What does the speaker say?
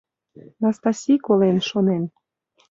Настаси колен, шонен.